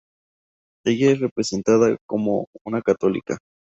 Ella es representada como una católica.